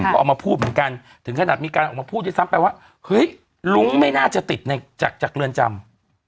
ก็ออกมาพูดเหมือนกันถึงขนาดมีการออกมาพูดด้วยซ้ำไปว่าเฮ้ยลุงไม่น่าจะติดในจากเรือนจำ